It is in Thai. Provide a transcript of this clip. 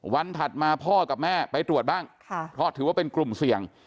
ถัดมาพ่อกับแม่ไปตรวจบ้างเพราะถือว่าเป็นกลุ่มเสี่ยง